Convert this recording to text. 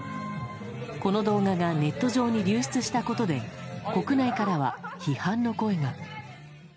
この動画がネット上に流出したことで国内からは批判の声が。